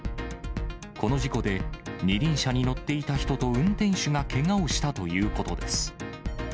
この事故で、二輪車に乗っていた人と運転手がけがをしたということです。